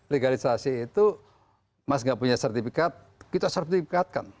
legalisasi itu mas gak punya sertifikat kita sertifikatkan